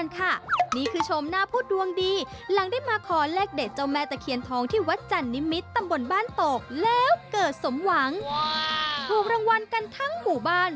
ถูกรางวัลกันทั้งหมู่บ้าน